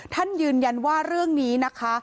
ท่านยืนยันว่าเรื่องนี้นะคะ